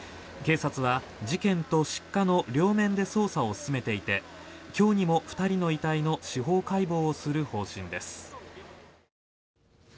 警察は事件と失火の両面で捜査を進めていて今日にも２人の遺体の司法解剖をする方針です。